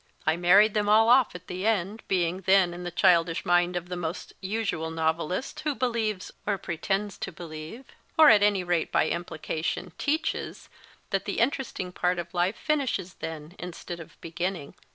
I married them all off at the end, being then in the childish mind of the most usual novelist who believes, or pretends to believe, or at any rate by implication teaches, that the inter esting part of life finishes then instead of beginning.